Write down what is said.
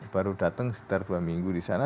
baru datang sekitar dua minggu di sana